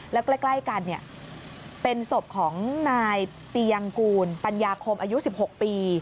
แล้วใกล้กันเป็นศพของนายปียังกูลปัญญาคมอายุ๑๖ปี